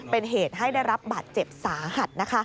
เป็นเหตุให้ได้รับบาดเจ็บสาหัส